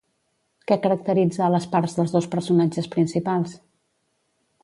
Què caracteritza a les parts dels dos personatges principals?